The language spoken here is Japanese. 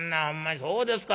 そうですか。